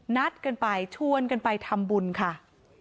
นัดกันไปชวนกันไปทำบุญค่ะ